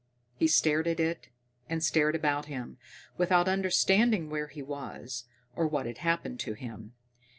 He stared at it, and stared about him, without understanding where he was, or what had happened to him.